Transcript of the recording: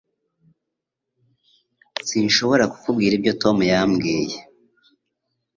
Sinshobora kukubwira ibyo Tom yambwiye